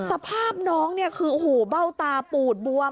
สภาพน้องคือฮู้เบ้าตาปูดบวม